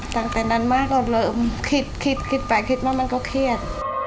ตั้งแต่นั้นมาก็เริ่มคิดคิดไปคิดมามันก็เครียด